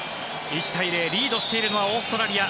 １対０、リードしているのはオーストラリア